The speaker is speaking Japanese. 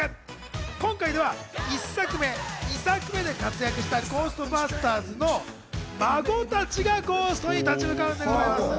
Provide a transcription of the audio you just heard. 今回では１作目、２作目で活躍したゴーストバスターズの孫たちがゴーストに立ち向かうんでございます。